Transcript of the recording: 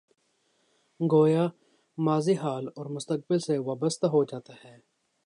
گویا ماضی، حال اور مستقبل سے وابستہ ہو جاتا ہے۔